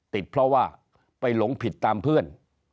ติดเพราะว่าไปหลงผิดตามเพื่อน